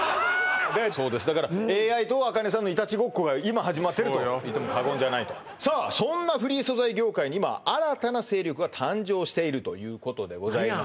そうですだからＡＩと茜さんのいたちごっこが今始まってるといっても過言ではないとさあそんなフリー素材業界に今新たな勢力が誕生しているということでございます